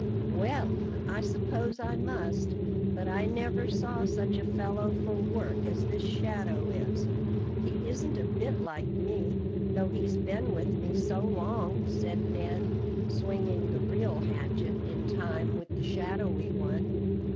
"Well, I suppose I must; but I never saw such a fellow for work as this shadow is. He isn't a bit like me, though he's been with me so long," said Ned, swinging the real hatchet in time with the shadowy one.